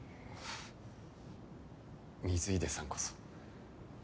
水出さんこそ。